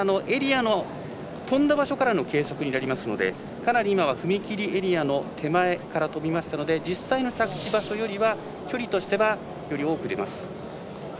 ただ、跳んだ場所からの計測になりますのでかなり今は踏み切りエリアの手前から跳びましたので着地場所より距離としては、より多く出ます。